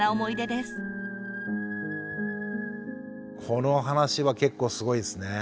この話は結構すごいですね。